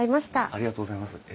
ありがとうございます。